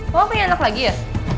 kok punya anak lagi ya